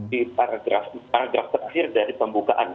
di paragraf paragraf terakhir dari pembukaan